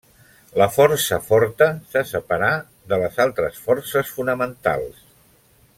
La força forta se separà de les altres forces fonamentals.